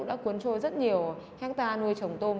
đã cuốn trôi rất nhiều kháng ta nuôi chồng tôm